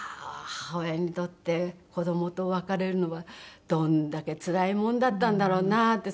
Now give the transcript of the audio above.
母親にとって子供と別れるのはどんだけつらいものだったんだろうなって。